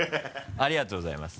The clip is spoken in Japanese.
ありがとうございます。